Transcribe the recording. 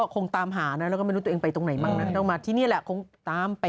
คงตามหานะแล้วก็ไม่รู้ตัวเองไปตรงไหนบ้างนะต้องมาที่นี่แหละคงตามไป